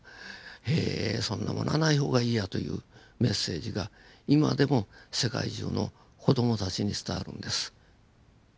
えそんなものはない方がいいやというメッセージが今でも世界中の子供たちに伝わるんです。